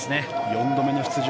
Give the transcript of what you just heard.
４度目の出場